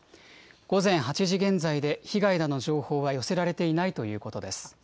午前８時現在で被害の情報は寄せられていないということです。